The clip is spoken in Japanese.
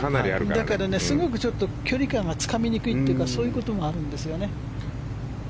だから、すごく距離感がつかみにくいというかそういうことがあるんですよね。